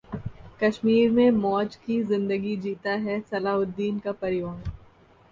कश्मीर में मौज की जिंदगी जीता है सलाहुद्दीन का परिवार